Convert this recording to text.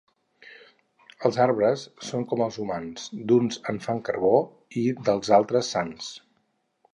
Els arbres són com els humans, d'uns en fan carbó i dels altres sants.